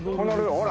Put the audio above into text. ほら。